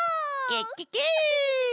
ケッケケ！